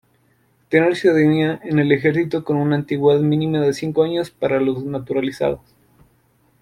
Tener ciudadanía en ejercicio con una antigüedad mínima de cinco años, para los naturalizados.